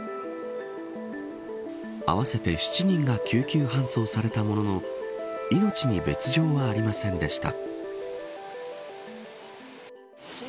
合わせて７人が救急搬送されたものの命に別条はありませんでした。